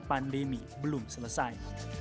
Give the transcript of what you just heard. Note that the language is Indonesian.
pandemi belum selesai